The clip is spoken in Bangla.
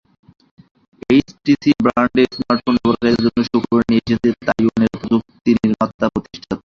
এইচটিসি ব্র্যান্ডের স্মার্টফোন ব্যবহারকারীদের জন্য সুখবর নিয়ে এসেছে তাইওয়ানের প্রযুক্তিপণ্য নির্মাতা প্রতিষ্ঠানটি।